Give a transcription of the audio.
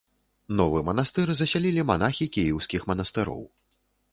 Новы манастыр засялілі манахі кіеўскіх манастыроў.